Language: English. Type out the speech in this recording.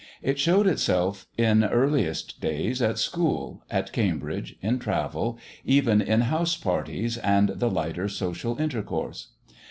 It showed itself in earliest days, at school, at Cambridge, in travel, even in house parties and the lighter social intercourse.